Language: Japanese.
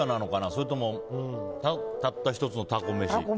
それとも、たった１つの蛸めし。